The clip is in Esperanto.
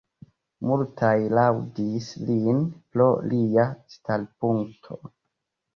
Multaj laŭdis lin pro lia starpunkto.